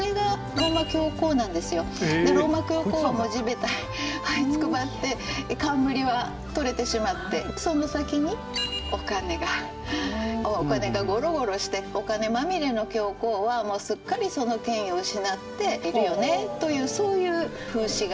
でローマ教皇は地べたにはいつくばって冠は取れてしまってその先にお金がお金がゴロゴロしてお金まみれの教皇はもうすっかりその権威を失っているよねというそういう風刺画。